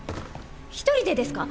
一人でですか？